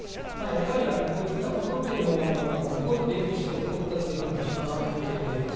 こういったことというのは、起こるべくして起こったと私は考えています。